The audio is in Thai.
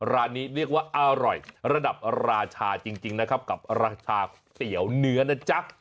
ร้านนี้เรียกว่าอร่อยระดับราชาจริงนะครับกับราชาก๋วยเตี๋ยวเนื้อนะจ๊ะ